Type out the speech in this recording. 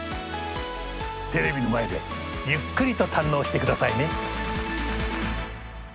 テレビの前でゆっくりと堪能してくださいね！